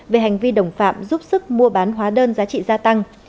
về hành vi đồng phạm giúp sức mua bán hóa đơn giá trị gia tăng